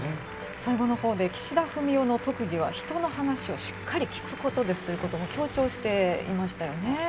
最後のほうで「岸田文雄の特技は人の話をしっかり聞くことです」と強調していましたよね。